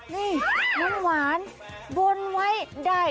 นี่น้ำหวานบนไว้ได้